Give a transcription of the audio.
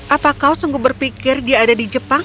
apa kau sungguh berpikir dia ada di jepang